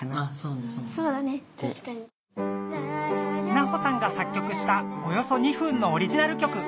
ナホさんが作曲したおよそ２分のオリジナル曲。